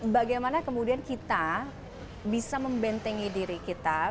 bagaimana kemudian kita bisa membentengi diri kita